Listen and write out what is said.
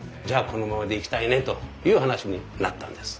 このままでいきたいねという話になったんです。